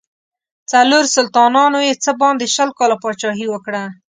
څلورو سلطانانو یې څه باندې شل کاله پاچهي وکړه.